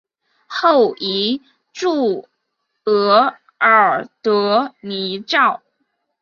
后移驻额尔德尼召。